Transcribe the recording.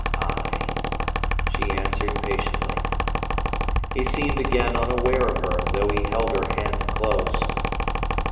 "Ay," she answered patiently. He seemed again unaware of her, though he held her hand close.